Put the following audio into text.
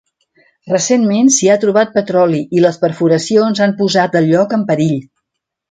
Recentment, s'hi ha trobat petroli i les perforacions han posat el lloc en perill.